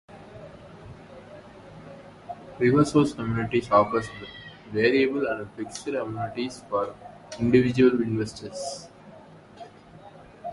RiverSource Annuities offers variable and fixed annuities for individual investors.